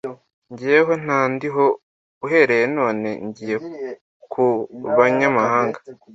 jyeweho ntandiho; uhereye none ngiye ku banyamahanga.’